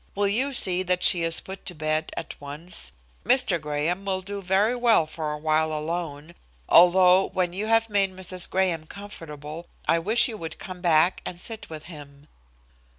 "Will you see that she is put to bed at once? Mr. Graham will do very well for a while alone, although when you have made Mrs. Graham comfortable, I wish you would come back and sit with him."